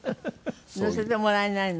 乗せてもらえないの？